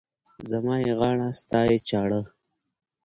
زما يې غاړه، ستا يې چاړه.